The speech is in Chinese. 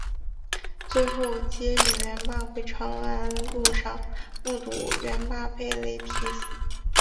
最后接李元霸回长安路上目睹元霸被雷劈死。